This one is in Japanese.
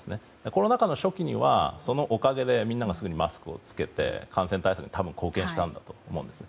コロナ禍の初期にはそのおかげで皆さんがすぐにマスクを着けて感染対策に貢献したんだと思うんです。